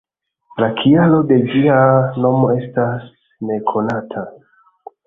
La kialo de ĝia nomo estas nekonata.